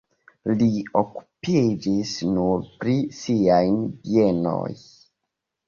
Li okupiĝis nur pri sian bienoj.